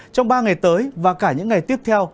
trong ba ngày tới và cả những ngày tiếp theo